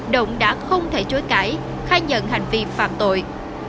động đã không thể chối cãi khai nhận hành vi phạm tội